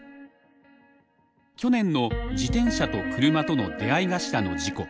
去年の自転車と車との出会い頭の事故。